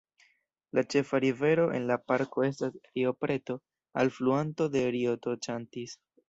La ĉefa rivero en la parko estas Rio Preto, alfluanto de Rio Tocantins.